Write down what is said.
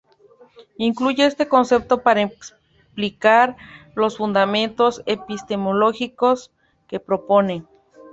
Incluyó este concepto para explicar los fundamentos epistemológicos que propone.